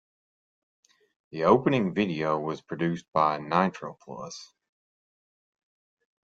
The opening video was produced by Nitroplus.